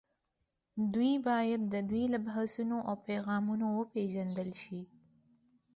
دوی باید د دوی له بحثونو او پیغامونو وپېژندل شي